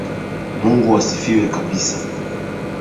Mungu asifiwe kabisa.